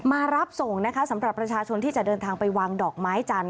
มารับส่งนะคะสำหรับประชาชนที่จะเดินทางไปวางดอกไม้จันท